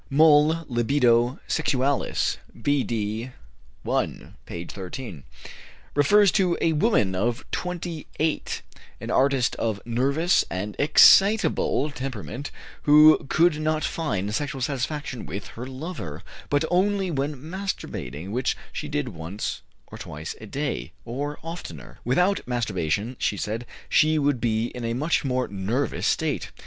Moll (Libido Sexualis, Bd. I, p. 13) refers to a woman of 28, an artist of nervous and excitable temperament, who could not find sexual satisfaction with her lover, but only when masturbating, which she did once or twice a day, or oftener; without masturbation, she said, she would be in a much more nervous state.